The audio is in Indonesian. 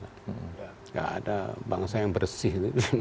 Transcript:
tidak ada bangsa yang bersih